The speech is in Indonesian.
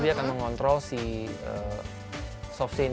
dia akan mengontrol si soft scene